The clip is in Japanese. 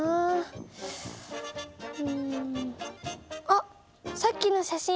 あっさっきの写真。